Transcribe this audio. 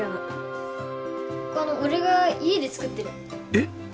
えっ！？